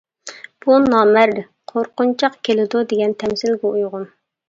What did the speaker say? بۇ «نامەرد قورقۇنچاق كېلىدۇ» دېگەن تەمسىلگە ئۇيغۇن.